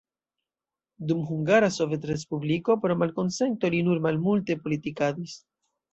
Dum Hungara Sovetrespubliko pro malkonsento li nur malmulte politikadis.